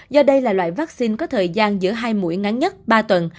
do đây là loại vaccine có thời gian giữa hai mũi ngắn nhất ba tuần